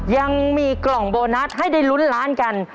ยังมีกล่องโบนัสให้ได้ลุ้นล้านกัน